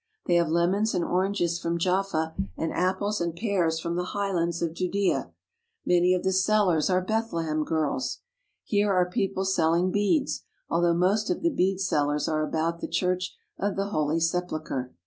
They have lemons and oranges from Jaffa and apples and pears from the highlands of Judea. Many of the sellers are Bethlehem girls. Here are people selling beads, al though most of the bead sellers are about the Church of the Holy Sepulchre.